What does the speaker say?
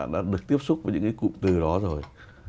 đã được tiếp xúc với những cái cụm từ đó rồi